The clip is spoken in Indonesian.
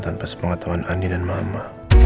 tanpa sepengetahuan andi dan mama